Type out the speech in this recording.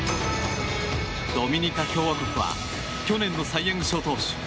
ドミニカ共和国は去年のサイ・ヤング賞投手